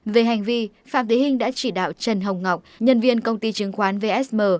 về hành vi phạm thị hình đã chỉ đạo trần hồng ngọc nhân viên công ty chứng khoán vsm